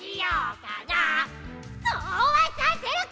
そうはさせるか！